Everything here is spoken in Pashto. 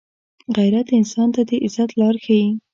غیرت انسان ته د عزت لاره ښيي